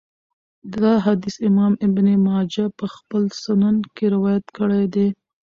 دا حديث امام ابن ماجه په خپل سنن کي روايت کړی دی .